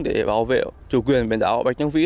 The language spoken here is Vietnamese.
để bảo vệ chủ quyền biển đảo bạch trang vĩ